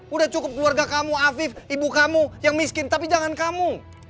udah cukup keluarga kamu afif ibu kamu yang miskin tapi jangan kamu